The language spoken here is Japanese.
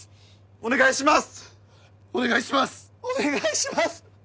お願いします！